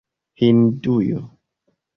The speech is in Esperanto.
Hindujo